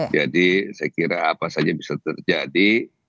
jadi saya kira apa saja bisa terjadi